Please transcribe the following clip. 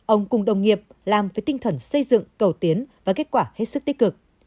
ông cùng đồng nghiệp làm với tinh thần xây dựng cầu tiến và kết quả hết sức tích cực